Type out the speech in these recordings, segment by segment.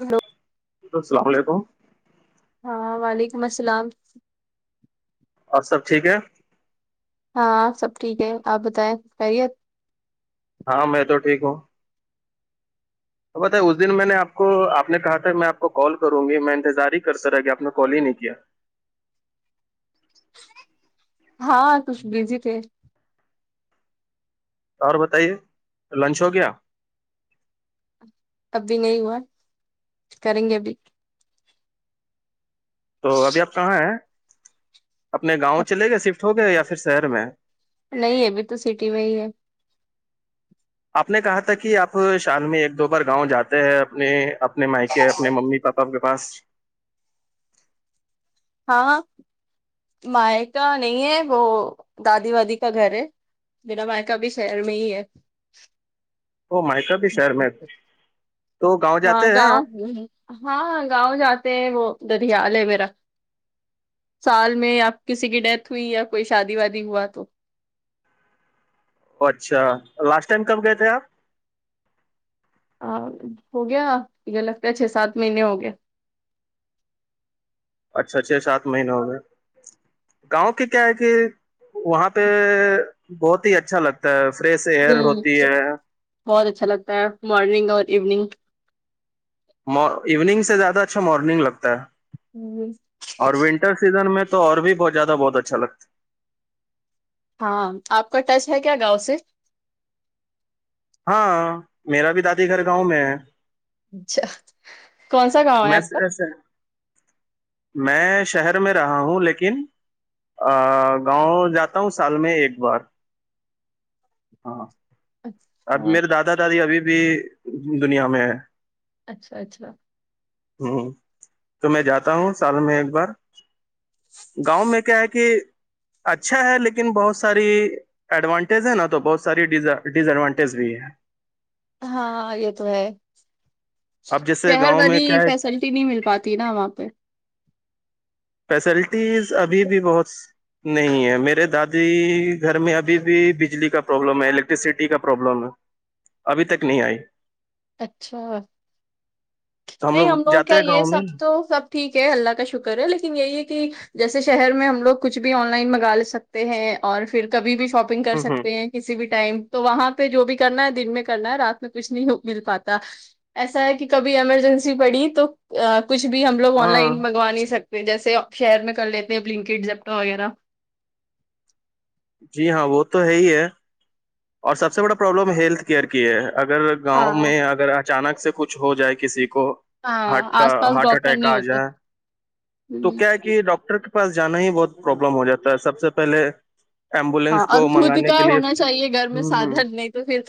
ہاں ل السلام علیکم ہاں وعلیکم السلام اور سب ٹھیک ہے ہاں سب ٹھیک ہے آپ بتائیں خیریے ہاں میں تو ٹھیک ہوں تو بت اس دن میں نے آپ کو آپ نے کہا تھا میں آپ کو کال کروں گی میں انتظار ہی کر س رہا کہ آپ نے کال ہی نہیں کیا ہاں کچھ بزی تھے اور بتائیے لنچ ہو گیا اب بھی نہیں ہوا کریں گے ابھی تو ابھی آپ کہاں ہیں اپنے گاؤں چلے گئے شفٹ ہو گئے یا پھر شہر میں نہیں ا بھی تو سٹی میں ہی ہے آپ نے کہا تھا کہ آپ شال میں ایک دو بار گاؤں جاتے ہیں اپنے اپنے مائ کے اپنے ممی پاپا آپ کے پاس ہاں مائ کا نہیں ہے وہ دادی وادی کا گھر ہے دین بائکہ بھیھی شہر میں ہی ہے وہ مائیک بھی شہر میں تو گاؤں جاتے ہیں آپ ہاںاں گاؤں جاتے ہیں وہ دریال ہے میرا سال میں آپ کسی کی ڈیتھ ہوئی یا کوئی شادی وادی ہوا تو اچھا لاسٹ ٹائم کب گئے تھے آپ ہاں ہو گیا یہ لگتا ہے چھ سات مہینے ہو گیا اچھا چھ سات مہیننے ہو گئے گاؤں کی کیا ہے کہ وہاں پہ بہت ہی اچھا لگتا فریش ایئر ہوتی ہے بہت اچھا لگتا ہے مارننگ اور ایوننگ ایوننگ سے زیادہ اچھا مارننگ لگتا ہے جی اور ونٹر سیزن میں تو اور بھی بت زیادہ بہت اچھا لگتا ہے ہاں آپ کا ٹچ ہے کیا گاؤں سے ہاں میرا بھی دادی گھر گاؤں میں ہے اچھا کون سا گاؤ ہے میں آپ کا میں شہر میں رہا ہوں لیکن ا گاؤں جاتا ہوں سال میں ایک بار ہاں اب اچھا میرے دادا دادی ابھی بھی دنیا میں ہے اچھا اچھا ہوں تو میں جاتا ہوں سال میں ایک بار گاؤں میں کیا ہے کہ اچھا ہے لیکن بہت ساری ایڈوانٹیج ہے نا تو بہت ساری ڈس ایڈوانٹی بھی ہے ہاں یہ تو ہے اب جیسے شہر گاؤں میں بنی کیا ہے فیسلٹی نہیں مل پاتی نا وہاں پہ فیسلٹیز ابھی بھی بہت نہیں ہے میرے دادی گھر میں ابھی بھی بجلی کا پربلم ہے الیکٹرسٹی کا پروبلم ہے ابھی تک نہیں آئی اچھا تو نہیں لوگ ہم لوگوں جاتے کیا ہیں یہ گاؤں میں سب تو سب ٹھیک ہے اللہ کا شکر ہے لیکن یہی ہے کہ جیسے شہر میں ہم لوگ کچھ بھی آن لائن منگا سکتے ہیں اور پھر کبھی بھی شاپگ نگ کر ہ ہ سکتے ہیں کسی بھی ٹائم تو وہاں پہ جو بھی کرنا ہے دن میں کرنا ہے رات میں کچھ نہیں ہو مل پاتا ایسا ہے کہ کبھی ایمرجنسی پڑی تو کچھ بھی ہم لوگ آن ہاں لائن منگا نہیں سکتے جیسےپ شہئر میں کر لیتے اپ لنکٹ جپٹا وغیرہ جی ہاں وہ تو ہے ہی ہے اور سب سے بڑا پرابلم ہیلتھ کیئر کی ہے اگر گاؤں ہاں میں اگر اچانک سے کچھ ہو جائے کسی کو ہاں ہارٹ کا آس پاس ہارٹ ڈاکٹر اٹیک نہیں آ ہوتے جائے تو ہوں، کیا ہے کہ ڈاکٹر کے پاس جانا ہی بہت پروابلم ہو جاتا ہے سب سے پہلے ہاں ایمبولینس اور کو دود منگانے کے کا لیے ہونا چاہیے گھر میں سے ہوں ہوں سادن نہیں تو پھر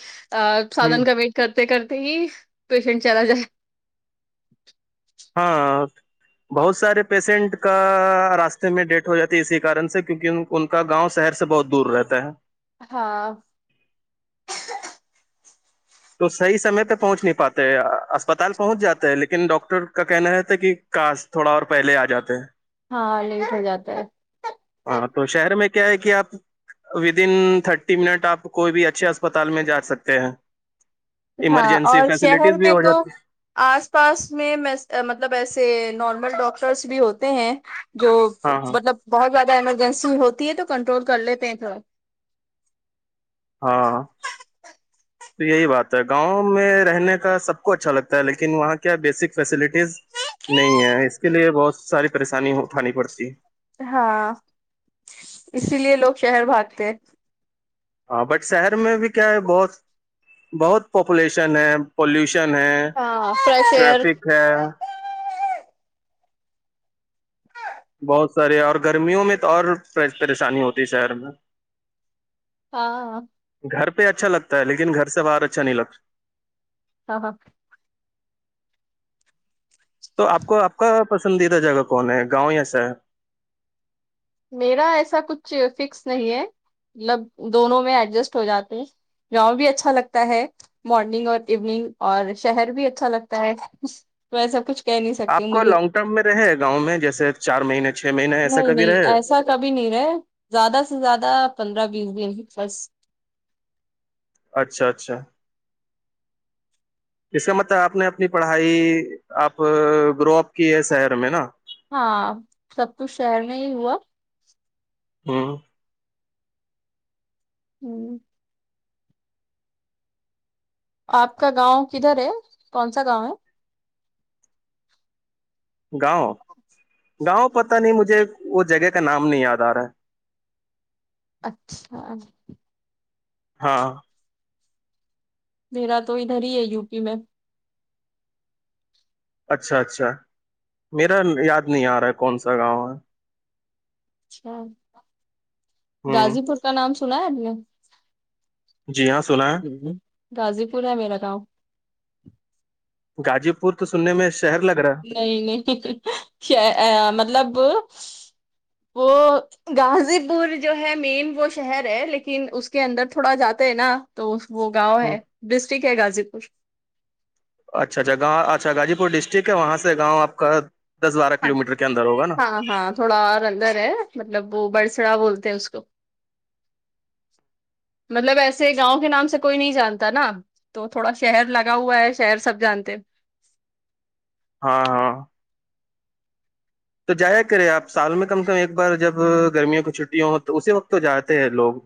ہوں سادن کا ویٹ کرتے کرتے ہی پیشنٹ چلا جائے ہاں بہت سارے پیشنٹ کا راستے میں ڈیھ ہو جاتی ہے اسی کن سے کیونکہ ان ان کا گاؤں شہر سے بہت دور رہتا ہے ہاں تو صحی سمے پہ پہنچ نہیں پاتے ہیں اسپتال پہنچ جاتے ہیں لیکن ڈاکٹر کا کہنا ہے تھا کہ کاس تھوڑا اور پہلے آ جاتے ہیں ہاں لیٹ ہو جاتا ہے ہاں تو شہر میں کیا ہے کہ آپ ودن تھرٹی منٹ آپ کوئی بھی اچھے اسپتال میں جا سکتے ہیں ہاں اور ایمرجنسی شہر فیسلٹیز بھی میں ہو تو جاتی آس پاس میں مطلب ایسے نارمل ڈاکٹرس بھی ہوتے ہیں جو ہاں ہاں مطلب بہت زیادہ ایمرجنسی ہوتی ہے تو کنٹرول کر لیتے ہیں تھوڑا ہاں تو یہی بات ہے گاؤں میں رہنے کا سب کو اچھا لگتا ہے لیکن وہاں کیا بیسک فیسلٹیز نہیں ہے اس کے لیے بہت ساری پریشانی اٹھانی پڑتی ہے ہاں اسی لیے لوگ شہر بھاگتے ہیں ہاں بٹ شہر میں بھی کیا ہے بہت بہت پاپولیشن ہے پولوشن ہے ہاں فریش ایئر ٹریافک ہے بہت سارے اور گرمیوں میں تو اور پریشانی ہوتی ہے شہر میں ہاں گھر پہ اچھا لگتا ہے لیکن گھر سے باہر اچھا نہیں لگتا ہاں ہاں تو آپ کو آپ کا پسندیدہ جگہ کون ہے گاؤں یا شہر ہے میرا ایسا کچھ فکس نہیں ہے مطلب دونوں میں ایڈجسٹ ہو جاتے ہیں گاؤں بھی اچھا لگتا ہے مارننگ اور ایوننگ اور شہر بھی اچھا لگتا ہے ویسا کچھ کہہ نہیں آپ سکتی کو مجھے لانگ ٹرم میں رہے گاؤں میں جیسے چار مہینے چھ مہینے ایسا نہیں کبھی نہیں رہے ایسا کبھی نہیں رہے زیادہ سے زیادہ پندرہ بیس دن ہی فرس اچھا اچھا [inaudible] اس کا مطلب آپ نے اپنی پڑھائی آپ ڈرپ کی ہے شہر میں نا ہاں سب کچھ شہر میں ہی ہوا ہوں ہوں آپ کا گاؤں کدھر ہے کون سا گاؤں ہے گاؤں گاؤں پتہ نہیں مجھے وہ جگہ کا نام نہیں یاد آ رہا ہے اچھا ہاں میرا تو ادھر ہی ہے یو پی میں اچھا اچھا میرا یاد نہیں آ رہا ہے کون سا گاؤں ہے اچھا ہوں غازی پور کا نام سنا ہے آپ نے جی ہاں سنا ہے غازی پور ہے میرا گاؤ غازی پور تو سننے میں شہر لگ رہا ہے نہیں نہیں مطلب وہ غازی پور جو ہے مین وہ شہر ہے لیکن اس کے اندر تھوڑا جاتے ہے نا تو وہ گاؤں ہے ڈسٹرکٹ ہے غازی پور اچھا اچھا اچھا غازی پور ڈسٹرکٹ ہے وہاں سے گاؤں آپ کا دس بارہ کلو میٹر کے اندر ہوگا نا ہاں ہاں تھوڑا اور اندر ہے مطلب وہ بڑسڑا بولتے ہیں اس کو مطلب ایسے گاؤں کے نام سے کوئی نہیں جانتا نا تو تھوڑا شہر لگا ہوا ہے شہر سب جانتے ہاں ہاں تو جایا کرے آپ سال میں کم سے کم ایک بار جب گرمیوں کی چھٹٹییا ہو تو اسی وقت تو جاتے ہیں لوگ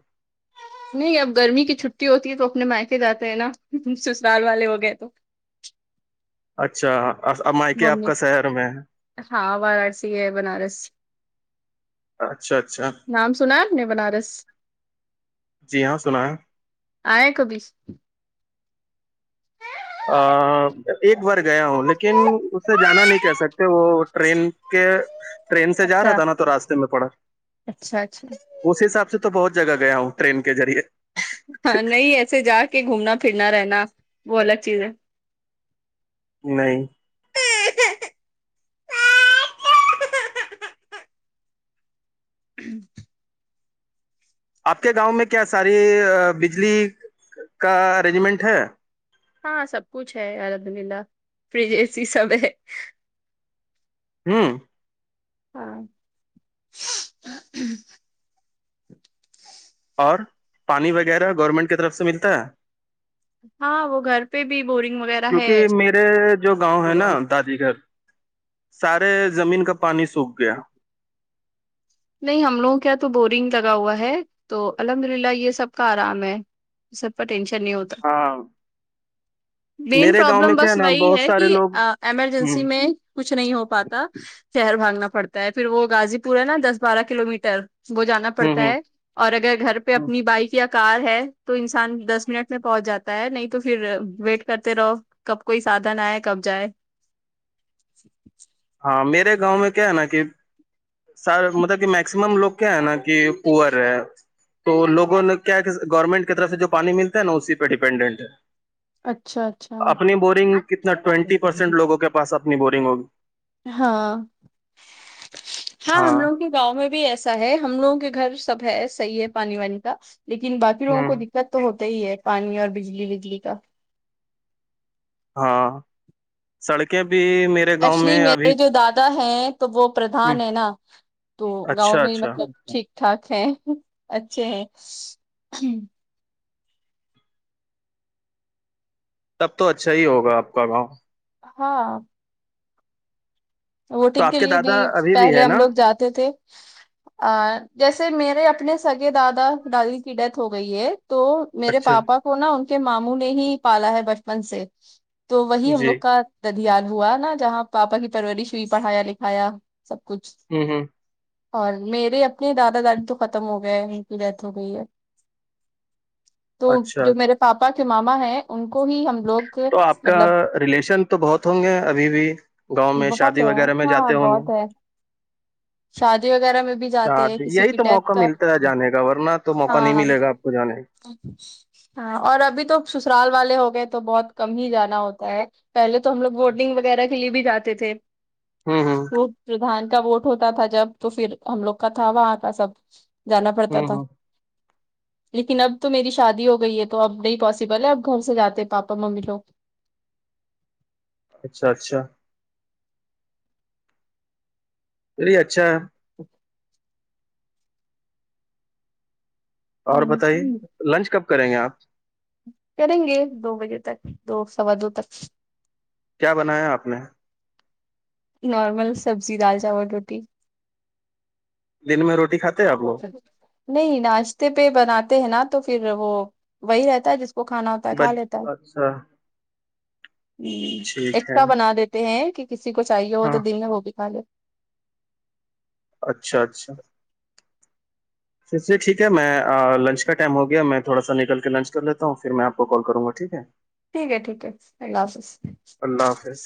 نہیں اب گرمی کی چھٹی ہوتی ہے تو اپنے مائکے جاتے ہیں نا سسرال والے ہو گئے تو اچھا اب مائکے آپ کا شہر میں ہے ہاں وارانسی ہے بنارس اچھا اچھا نام سنا ہے اپ نے بنارس جی ہاں سنا ہے آئے کبھی [inaudible] ایک بار گیا ہوں لیکن اس سے جانا نہیں کہ سکتے وہ ٹرین کے ٹرین سے جا رہا اچھا تھا نا تو راستے میں پڑا اچھا اچھا اس حساب سے تو بہت جگہ گیا ہوں ٹرین کے ذریعے ہاں نہیں ایسے جا کے گھومنا پھرنا رہنا وہ الگ چیز ہے نہیں آپ کے گاؤں میں کیا ساری بجلی کا ارینجمنٹ ہے ہاں سب کچھ ہے الحمد للہ فریجز ہی سب ہے ہوں ہاں اور پانی وغیرہ گورنمنٹ کی طرف سے ملتا ہے ہاں وہ گھر پہ بھی بورنگ وغیرہ ہے کیونکہ میرے جو گاؤں ہے نا نہیں دادی گگر سارے زمین کا پانی سوکھ گیا نہیں ہم لوگوں کیا تو بورنگ لگا ہوا ہے تو الحمد للہ یہ سب کا آرام ہے اس سب پ ٹینشن نہیں ہوتا ہاں مین میرے گاؤں میں پرابلم کیا بس نا وہی بہت ہے سارے کہ لوگ ہوں ایمرجنسی میں کچھ نہیں ہو پاتا شہر بھاگنا پڑتا ہے پھر وہ غازی پور ہے نا دس بارہ کلو میٹر وہ جانا ہوں پڑتا ہوں ہے اور اگر گھر پہ ہوں اپنی بائک یا کار ہے تو انسان دس منٹ میں پہنچ جاتا ہے نہیں تو پھر ویٹ کرتے رہو کب کوئی سادھن آئے کب جائے ٹھیک ہاں میرے گاؤں میں کیا ہے نا کہ سر مطلب کہ میکسیمم لوگ کیا ہے نا کہ پور ہے تو لوگوں نے کیا گورنمنٹ کی طرف سے جو پانی ملتا ہے نا اسی پہ ڈیپینڈنٹ ہے اچھا اچھا اپنی بورنگ کتنا ٹوینٹی پرسینٹ لوگوں کے پاس اپنی بورنگ ہوگی ہاں ہاں ہم لوگوں کے گاؤں میں بھی ایسا ہے ہم لوگوں کے گھر سب ہے صحیح ہے پانی وانی کا لیکن باقی لوگوں کو ہوں دکھ تو ہوتا ہی ہے پانی اور بجلی بجلی کا ہاں سڑکیں بھی میر ایکچولی میرے جو دادا ہیں تو وہ ہوں، پردھان ہے نا تو گاؤں اچھا میں اچھا مطلب ٹھیک ٹھاک ہے اچھے ہیں تب تو اچھا ہی ہوگا آپ کا گاؤں ہاں تو ووٹنگ کے آپ لیے بھی دادا ابھی بھی پہلے ہے ہم نا لوگ جاتے تھے ا جیسے میرے اپنے سگے دادا دادی کی ڈیتھ ہو گئی ہے تو میرے اچھا پاپا کو نا ان کے ماموں نے ہی پالا ہے بچپن سے تو وہی ہم لوگ جی کا ددیال ہوا نا جہاں پاپا کی پرورش ہوئی پڑھایا لکھایا سب کچھ ہوں ہوں اور میرے اپنے دادا دادی تو ختم ہو گئے ان کی ڈیتھ ہو گئی ہے تو اچھا جو میرے پاپا کے ماما ہیں ان کو ہی ہم لوگ تو آپ کا مطلب ریلیشن تو بہت ہوں گے ابھی بھی گاؤں میں بہت شادی ہے وغیرہ میں ہاں جاتے ہوں گے بہت ہے شادی وغیرہ میں بھی جاتے ہیں شادی کسی یہی کی تو ڈیتھ موقع کا ملتا ہے جانے کا ورنہ تو موقع نہیں ہاں ملے گا آپ کو جانے ہاں اور ابھی تو سسرال والے ہو گئے تو بہت کم ہی جانا ہوتا ہے پہلے تو ہم لوگ بوٹنگ وغیرہ کے لیے بھی جاتے تھے کا ہوں ہوں تو پرھان کا ووٹ ہوتا تھا جب تو پھر ہم لوگ کا تھا وہاں کا سب جانا پڑتا ہوں تھا ہوں لیکن اب تو میری شادی ہو گئی ہے تو اب نہیں پاسبل ہے اب گھر سے جاتے پاپا ممی لوگ اچھا اچھا تی اچھا اچھا اور بتائیے ہ لنچ کب کریں گے آپ کریں گے دو بجے تک دو سوا دو تک کیا بنایا آپ نے نارمل سبزی دال چاول روٹی دن میں روٹی کھاتے ہیں آپ ب لوگ نہیں ناشتے پہ بناتے ہیں نا تو پھر وہ وہی رہتا ہے جس وہ کو کھانا ہوتا ہے کھا بچ لیتا ہے اچھا ٹھیک ہے ایکسٹرا بنا دیتے ہیں کہ کسی کو چاہیے ہو تو ہاں دن میں وہ بھی کھا لے اچھا اچھا پے ٹھیک ہے میں لنچ کا ٹائم ہو گیا میں تھوڑا سا نکل کے لنچ کر لیتا ہوں پھر میں آپ کو کال کروں گا ٹھیک ہے ٹھیک ہے ٹھیک ہے اللہ حافظ اللہ حافظ